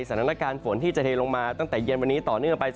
สถานการณ์ฝนที่จะเทลงมาตั้งแต่เย็นวันนี้ต่อเนื่องไป